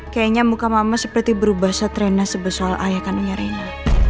kayaknya muka mama seperti berubah set rena sebesol ayah kandungnya rena